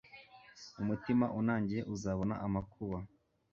umutima unangiye uzabona amakuba